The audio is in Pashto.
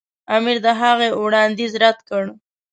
امیر د هغه وړاندیز رد کړ.